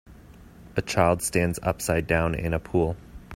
A child stands upside down in a pool.